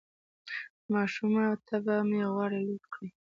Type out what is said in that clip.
ماشومه طبعه مې غواړي لوټ کړي